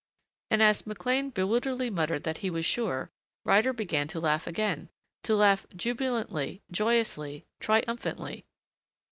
And as McLean bewilderedly muttered that he was sure, Ryder began to laugh again. To laugh jubilantly, joyously, triumphantly.